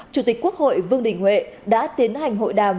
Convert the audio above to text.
chủ tịch quốc hội vương đình huệ đã tiến hành hội đàm